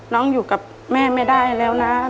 อยู่กับแม่ไม่ได้แล้วนะ